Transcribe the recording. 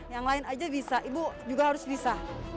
yang lain aja bisa ibu juga harus bisa